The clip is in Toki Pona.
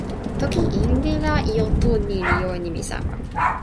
toki Inli la ijo tu ni li jo e nimi sama.